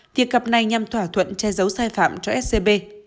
tiệc gặp này nhằm thỏa thuận che giấu sai phạm cho scb